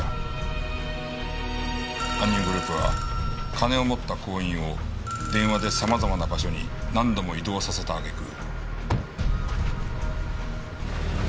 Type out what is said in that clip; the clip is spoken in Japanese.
犯人グループは金を持った行員を電話で様々な場所に何度も移動させたあげく。